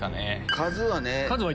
数はね。